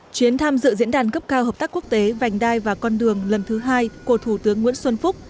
chuyến tham dự diễn đàn cấp cao hợp tác quốc tế vành đai và con đường lần thứ hai của thủ tướng nguyễn xuân phúc